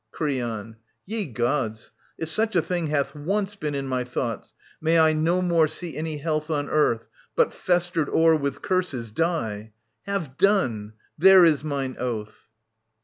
Creon. Ye Gods, if such a thing Hath once been in my thoughts, may I no more See any health on earth, but, festered o'er With curses, die !— Have done. There is mine oath.